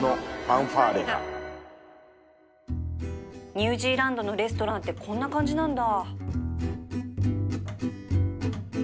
ニュージーランドのレストランってこんな感じなんだ